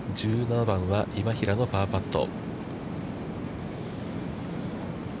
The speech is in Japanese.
１７番は今平のパーパット。